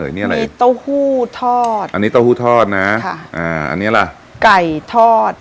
อันนี้อะไรมีเต้าหู้ทอดอันนี้เต้าหู้ทอดนะค่ะอ่าอันนี้ล่ะไก่ทอด